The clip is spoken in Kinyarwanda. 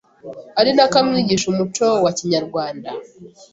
arinako amwigisha umuco wa kinyarwanda